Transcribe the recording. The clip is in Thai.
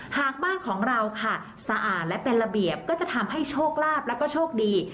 หากบ้านของเราค่ะสะอาดและเป็นระเบียบก็จะทำให้โชคลาภแล้วก็โชคดี